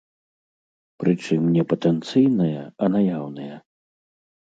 Прычым не патэнцыйная, а наяўная.